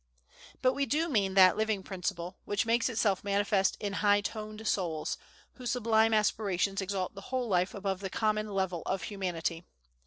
But we do mean that living principle, which makes itself manifest in high toned souls, whose sublime aspirations exalt the whole life above the common level of Humanity.